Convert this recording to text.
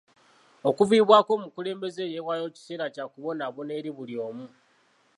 Okuviibwako omukulembeze eyeewaayo kiseera kya kubonaabona eri buli omu.